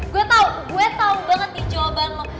gue tau gue tau banget nih jawaban lo